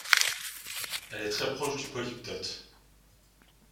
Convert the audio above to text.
Elle est très proche du polyptote.